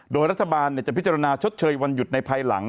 โดยรัฐบาลจะพิจารณาชดเชยวันหยุดในภายหลัง